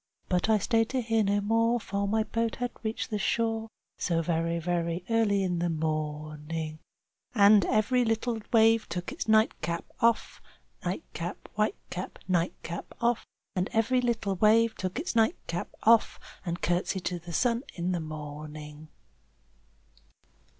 But I stayed to hear no more, for my boat had reached the shore, So very, very early in the morning. Chorus And every little wave took its nightcap off, Its nightcap, white cap, nightcap off. And every little wave took its nightcap off, And courtesied to the sun in the morning.